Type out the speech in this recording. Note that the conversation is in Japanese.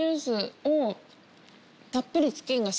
たっぷり。